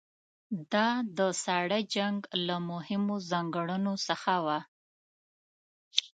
دا د ساړه جنګ له مهمو ځانګړنو څخه وه.